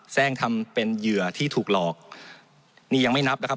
แทร่งทำเป็นเหยื่อที่ถูกหลอกนี่ยังไม่นับนะครับ